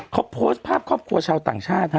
เขาโพสต์ภาพครอบครัวชาวต่างชาติฮะ